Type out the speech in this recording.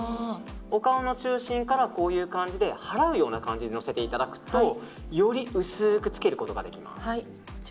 お顔の中心から払うような感じでのせていただくとより薄くつけることができます。